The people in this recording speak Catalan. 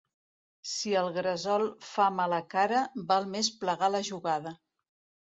Si el gresol fa mala cara, val més plegar la jugada.